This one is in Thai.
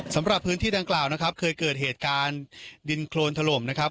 สำหรับพื้นที่ดังกล่าวนะครับเคยเกิดเหตุการณ์ดินโครนถล่มนะครับ